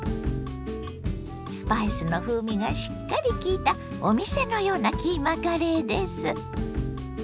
スパイスの風味がしっかり効いたお店のようなキーマカレーです。